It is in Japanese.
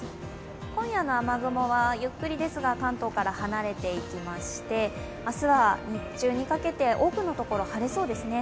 今夜の雨雲はゆっくりですが関東から離れていきまして、明日は日中にかけて多くの所、晴れそうですね。